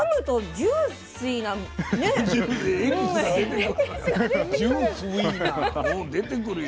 ジュースィーなうん出てくるよ。